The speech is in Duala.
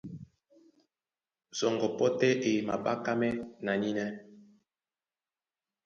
Sɔŋgɔ pɔ́ tɛ́ e maɓákámɛ́ na nínɛ́.